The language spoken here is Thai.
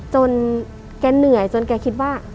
จนแกเหนื่อยจนแกคิดว่า